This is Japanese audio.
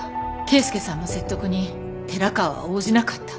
慶介さんの説得に寺川は応じなかった。